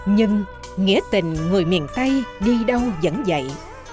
nhưng nghĩa tình người miền tây đi đâu vẫn vậy